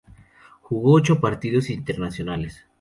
Jugó ocho partidos internacionales.